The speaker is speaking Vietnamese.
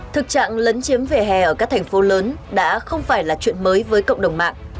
thực trạng lấn chiếm vỉa hè ở các thành phố lớn đã không phải là chuyện mới với cộng đồng mạng